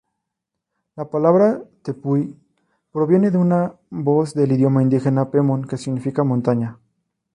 La palabra "tepuy" proviene de una voz del idioma indígena pemón, que significa "montaña".